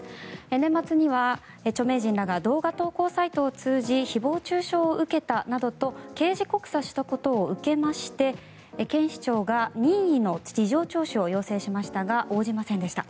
年末には、著名人らが動画投稿サイトを通じ誹謗・中傷を受けたなどと刑事告訴したことを受けまして警視庁が任意の事情聴取を要請しましたが応じませんでした。